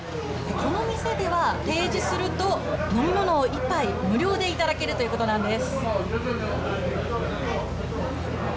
この店では、提示すると、飲み物を１杯無料で頂けるということなんです。